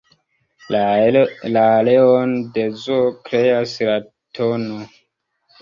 La areon de zoo kreas la tn.